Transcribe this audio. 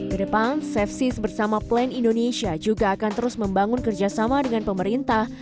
kedepan safe seas bersama plan indonesia juga akan terus membangun kerjasama dengan pemerintah